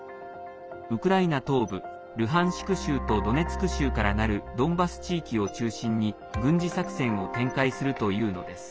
ウクライナ東部、ルハンシク州とドネツク州からなるドンバス地域を中心に軍事作戦を展開するというのです。